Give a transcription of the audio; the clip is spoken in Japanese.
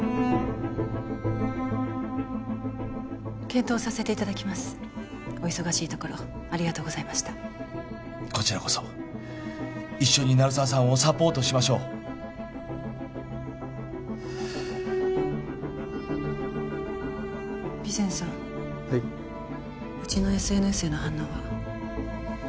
検討させていただきますお忙しいところありがとうございましたこちらこそ一緒に鳴沢さんをサポートしましょうはあ備前さんはいうちのＳＮＳへの反応は？